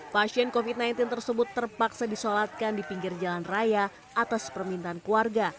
pasien covid sembilan belas tersebut terpaksa disolatkan di pinggir jalan raya atas permintaan keluarga